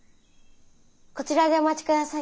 こちらでお待ちください。